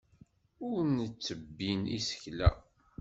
Ur nttebbi isekla.